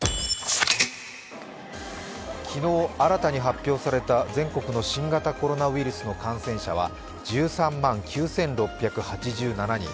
昨日、新たに発表された全国の新型コロナウイルスの感染者は１３万９６８７人。